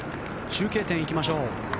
中継点いきましょう。